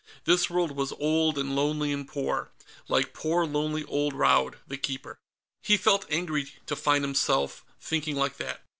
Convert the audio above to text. This world was old and lonely and poor. Like poor lonely old Raud the Keeper. He felt angry to find himself thinking like that.